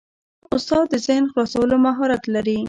استاد د ذهن خلاصولو مهارت لري.